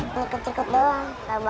sampai jumpa di video selanjutnya